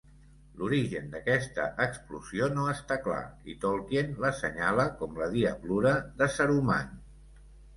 L'origen d'aquesta explosió no està clar i Tolkien l'assenyala com "la diablura de Saruman".